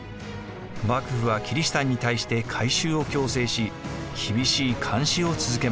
幕府はキリシタンに対して改宗を強制し厳しい監視を続けました。